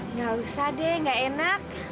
enggak usah deh enggak enak